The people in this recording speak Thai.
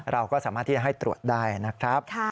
เราก็สามารถที่จะให้ตรวจได้นะครับ